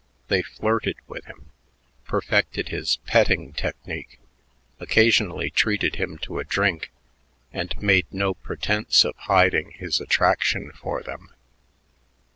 They flirted with him, perfected his "petting" technique, occasionally treated him to a drink, and made no pretense of hiding his attraction for them.